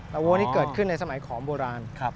วัวนี่เกิดขึ้นในสมัยขอมโบราณ